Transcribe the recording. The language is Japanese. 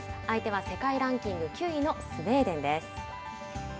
相手は世界ランキング９位のスウェーデンです。